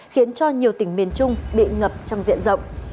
khiến cho nhiều tỉnh miền trung bị ngập trong diện rộng